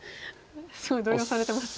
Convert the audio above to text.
すごい動揺されてますね。